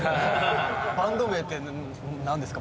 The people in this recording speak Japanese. バンド名ってなんですか？